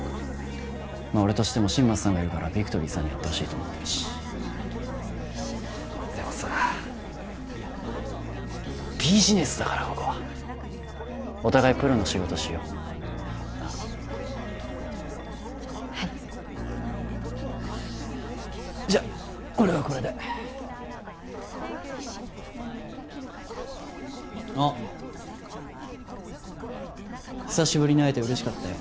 俺としても新町さんがいるからビクトリーさんにやってほしいと思ってるしでもさビジネスだからここはお互いプロの仕事しようなっはいじゃ俺はこれであっ久しぶりに会えてうれしかったよ